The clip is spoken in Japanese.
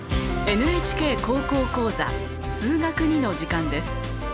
「ＮＨＫ高校講座数学Ⅱ」の時間です。